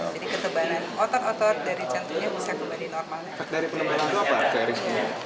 jadi ketebalan otot otot dari jantungnya bisa kembali normal lagi